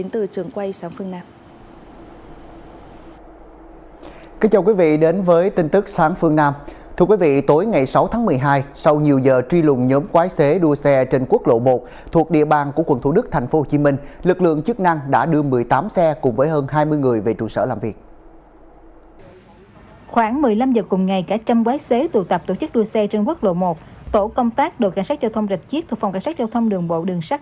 tổ công tác đội cảnh sát giao thông rạch chiết thuộc phòng cảnh sát giao thông đường bộ đường sắt